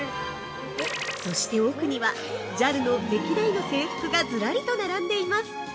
◆そして奥には、ＪＡＬの歴代の制服がずらりと並んでいます。